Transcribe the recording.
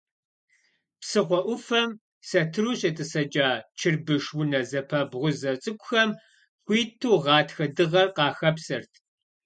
Псыхъуэ ӏуфэм сэтыру щетӏысэкӏа, чэрбыш унэ зэпэбгъузэ цӏыкӏухэм, хуиту гъатхэ дыгъэр къахэпсэрт.